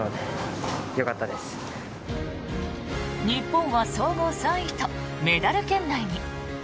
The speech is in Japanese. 日本は総合３位とメダル圏内に。